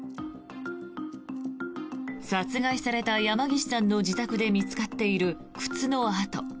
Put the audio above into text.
殺害された山岸さんの自宅で見つかっている靴の跡。